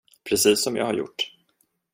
Precis som jag har gjort.